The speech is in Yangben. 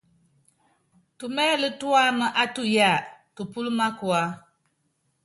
Tumɛlɛ́ tuámá á tuyáa, nupúlɔ́ mákua.